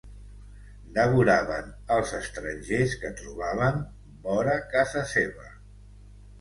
Devoraven els estrangers que trobaven vora casa seva.